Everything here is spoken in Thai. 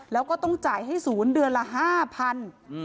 แล้วก็ต้องจ่ายให้ศูนย์เดือนละ๕๐๐บาท